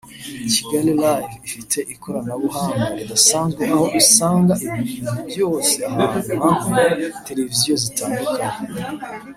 Kigali live ifite ikoranabuhanga ridasanzwe aho usanga ibintu byose ahantu hamwe televiziyo zitandukanye